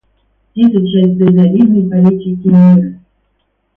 Это часть дальновидной политики мира.